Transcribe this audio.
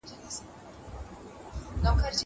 زه به اوږده موده لوبه کړې وم.